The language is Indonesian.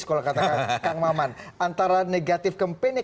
kang maman antara negatif kempennya